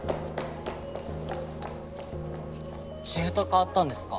シフト代わったんですか？